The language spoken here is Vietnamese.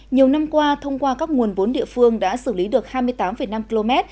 nhiều năm qua thông qua các nguồn vốn địa phương đã xử lý được hai mươi tám năm km